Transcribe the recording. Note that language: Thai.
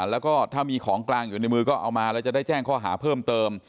แล้วก็ถ้ามีของกลางอยู่ในมือก็เอามาแล้วจะได้แจ้งข้อหาเพิ่มเติม